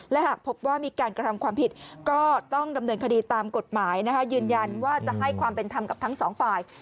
และหากพบว่ามีการกระทำความผิดก็ต้องดำเนินคดีตามกฎหมายยืนยันว่าจะให้ความเป็นธรรมกับทั้งสองฝ่าย